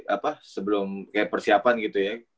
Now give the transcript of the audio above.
apa sebelum kayak persiapan gitu ya